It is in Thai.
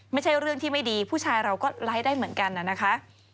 ไม่ใช่เรื่องที่ไม่ดีผู้ชายเราก็ไลค์ได้เหมือนกันนะคะ